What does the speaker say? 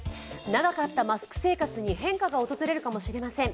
長かったマスク生活に変化が訪れるかもしれません。